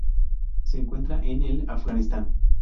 Se encuentra en el Afganistán.